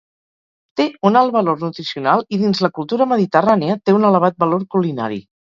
Té un alt valor nutricional i, dins la cultura mediterrània, té un elevat valor culinari.